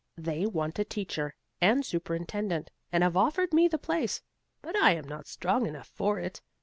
They want a teacher and superintendent, and have offered me the place, but I am not strong enough for it.